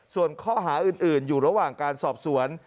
ส่วนข้อหาอื่นอยู่ระหว่างการสอบสวน